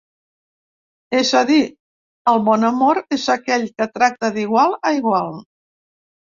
És a dir, el bon amor és aquell que tracta d’igual a igual.